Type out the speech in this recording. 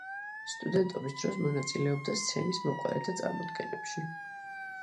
სტუდენტობის დროს მონაწილეობდა სცენისმოყვარეთა წარმოდგენებში.